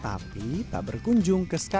ya skyland tetempangan hill banyak disebut